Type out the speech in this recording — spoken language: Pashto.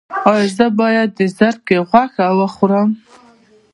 ایا زه باید د زرکې غوښه وخورم؟